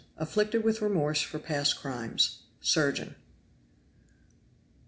Afflicted with remorse for past crimes surgeon.